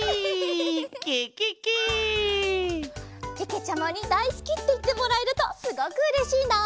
けけちゃまにだいすきっていってもらえるとすごくうれしいな。